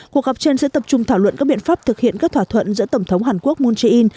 cuộc gặp trên sẽ tập trung thảo luận các biện pháp thực hiện các thỏa thuận giữa tổng thống hàn quốc moon jae in